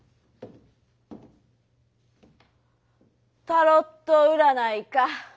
タロット占いか。